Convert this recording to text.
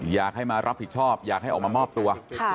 อยากให้มารับผิดชอบอยากให้ออกมามอบตัว